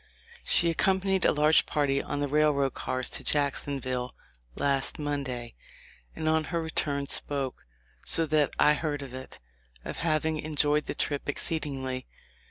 She accompanied a large party on the railroad cars to Jacksonville last Monday, and on her return spoke, so that I heard of it, of having enjoyed the trip exceedingly.